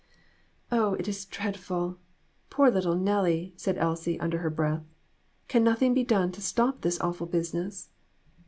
"Oh, it is dreadful! Poor little Nellie!" said Elsie, under her breath. "Can nothing be done to stop this awful business?"